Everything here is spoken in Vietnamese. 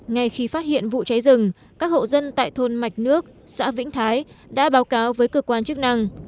ngay khi phát hiện vụ cháy rừng các hộ dân tại thôn mạch nước xã vĩnh thái đã báo cáo với cơ quan chức năng